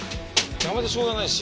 邪魔でしょうがないし。